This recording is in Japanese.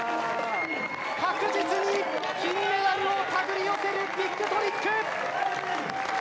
確実に金メダルを手繰り寄せるビッグトリック！